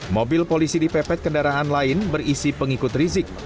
mobil polisi dipepet kendaraan lain berisi pengikut rizik